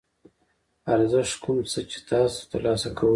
ارزښت کوم څه چې تاسو ترلاسه کوئ.